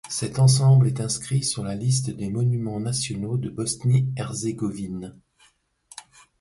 Cet ensemble est inscrit sur la liste des monuments nationaux de Bosnie-Herzégovine.